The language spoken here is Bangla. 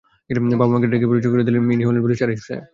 বাবা মাকে ডেকে পরিচয় করিয়ে দিলেন, ইনি হলেন ব্যারিস্টার আসিফ সাহেব।